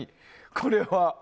これは。